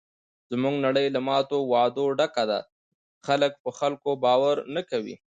زموږ نړۍ له ماتو وعدو ډکه ده. خلک په خلکو باور نه کوي.